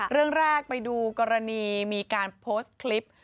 เรื่องแรกไปดูกรณีมีการโพสต์คลิป